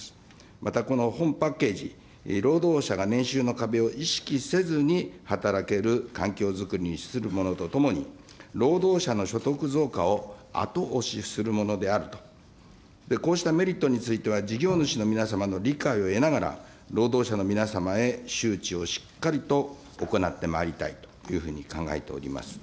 またこの本パッケージ、労働者が年収の壁を意識せずに働ける環境づくりに資するものとともに、労働者の所得増加を後押しするものであると、こうしたメリットについては、事業主の皆様の理解を得ながら、労働者の皆様へ周知をしっかりと行ってまいりたいというふうに考えております。